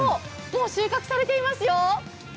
もう収穫されていますよ。